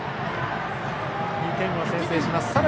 ２点を先制します。